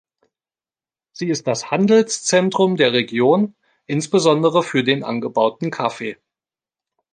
Sie ist das Handelszentrum der Region insbesondere für den angebauten Kaffee.